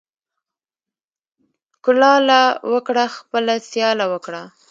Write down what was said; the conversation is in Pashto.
ـ کولاله وکړه خپله سياله وکړه.